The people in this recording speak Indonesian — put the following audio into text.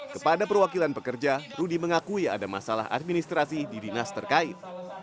kepada perwakilan pekerja rudy mengakui ada masalah administrasi di dinas terkait